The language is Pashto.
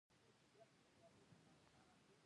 د پروان په غوربند کې د ډبرو سکاره شته.